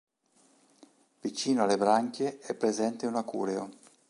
Vicino alle branchie è presente un aculeo.